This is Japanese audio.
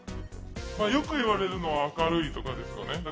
よく言われるのは、明るいとかですかね。